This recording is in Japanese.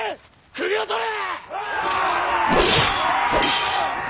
首を取れ！